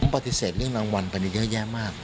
ปฏิเสธเรื่องรางวัลไปเยอะแยะมาก